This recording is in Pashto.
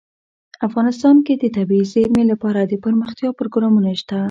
افغانستان کې د طبیعي زیرمې لپاره دپرمختیا پروګرامونه شته.